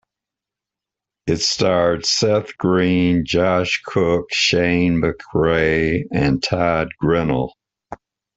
It starred Seth Green, Josh Cooke, Shane McRae, and Todd Grinnell.